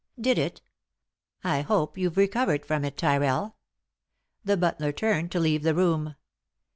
" Did it ? I hope you've recovered from it, Tyrrell." The butler turned to leave the room.